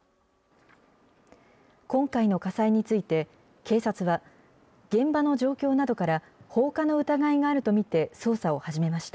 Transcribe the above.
今回の火災について、警察は、現場の状況などから放火の疑いがあると見て、捜査を始めました。